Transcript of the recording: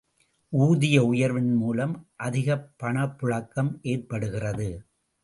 ஊதிய உயர்வின் மூலம் அதிகப் பணப்புழக்கம் ஏற்படுகிறது.